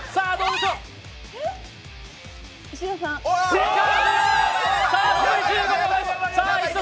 正解！